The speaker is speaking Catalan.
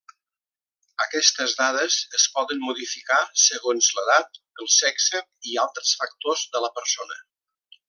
Aquestes dades es poden modificar segons l'edat, el sexe i altres factors de la persona.